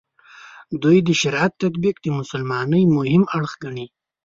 دوی د شریعت تطبیق د مسلمانۍ مهم اړخ ګڼي.